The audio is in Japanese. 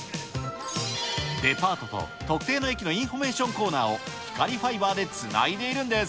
デパートと特定の駅のインフォメーションコーナーを光ファイバーでつないでいるんです。